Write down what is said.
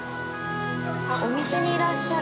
お店にいらっしゃる？